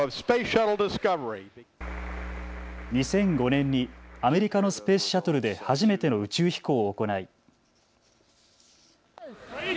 ２００５年にアメリカのスペースシャトルで初めての宇宙飛行を行い。